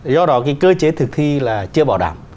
do đó cái cơ chế thực thi là chưa bảo đảm